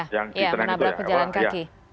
ya menablah pejalan kaki